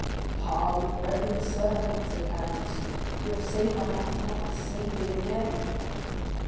"Pardon, reverend sir," said Caderousse; "you have saved my life once, save me again!"